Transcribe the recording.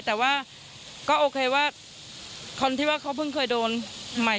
แต่ว่าก็โอเคว่าคนที่ว่าเขาเพิ่งเคยโดนใหม่